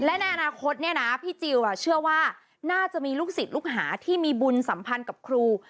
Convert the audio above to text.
และในอนาคตเนี่ยนะพี่จิลเชื่อว่าน่าจะมีลูกศิษย์ลูกหาที่มีบุญสัมพันธ์กับครู